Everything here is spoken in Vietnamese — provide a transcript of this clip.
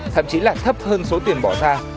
thậm chí là thấp hơn số tiền bỏ ra